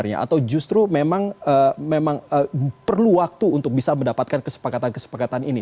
atau justru memang perlu waktu untuk bisa mendapatkan kesepakatan kesepakatan ini